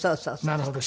なるほど。